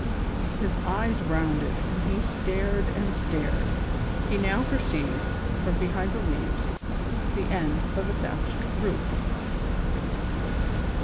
His eyes rounded and he stared and stared. He now perceived, from behind the leaves, the end of a thatched roof.